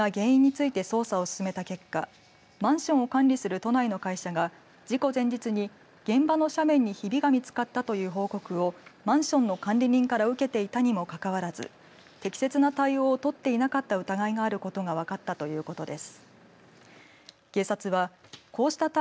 警察が原因について捜査を進めた結果マンションを管理する都内の会社が事故前日に現場の斜面にひびが見つかったという報告をマンションの管理人から受けていたにもかかわらず適切な対応を取っていなかった疑いがあることが分かったということです。